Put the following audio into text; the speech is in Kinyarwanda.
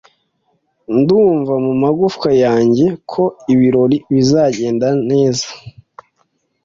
Ndumva mumagufwa yanjye ko ibirori bizagenda neza.